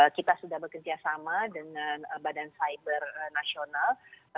kita sudah bekerjasama dengan badan cyber nasional